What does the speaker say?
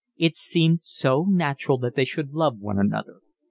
It seemed so natural that they should love one another.